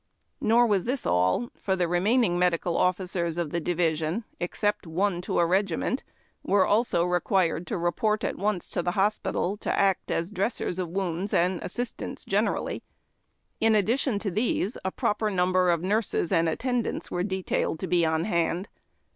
Nor was this all, for the remaining medical officers of the division, except one to a regiment, were also required to report at once to the hospital, to act as dressers of wounds and assistants generally. In addition to these, a proper num ber of nurses and attendants were detailed to be on hand.